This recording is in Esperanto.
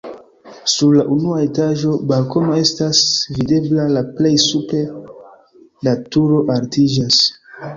Sur la unua etaĝo balkono estas videbla, la plej supre la turo altiĝas.